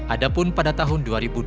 adapun pada tahun dua ribu dua puluh satu